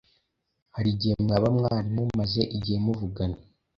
Hari igihe mwaba mwari mumaze igihe muvugana